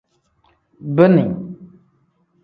Bini.